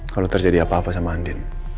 kalau terjadi apa apa sama andin